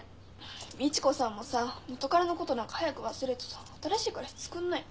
みち子さんもさ元彼のことなんか早く忘れてさ新しい彼氏作んなよ。